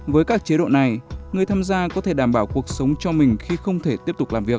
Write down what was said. với các chế độ này người tham gia có thể đảm bảo cuộc sống cho mình khi không thể tiếp tục làm việc